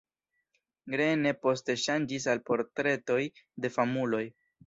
Greene poste ŝanĝis al portretoj de famuloj.